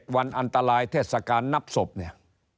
วันอันตรายเทศกาลนับศพเนี่ย